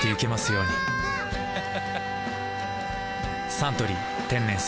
「サントリー天然水」